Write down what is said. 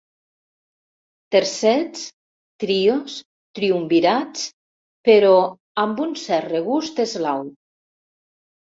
Tercets, trios, triumvirats, però amb un cert regust eslau.